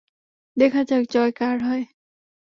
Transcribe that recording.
দেখা যাক জয় কার হয়!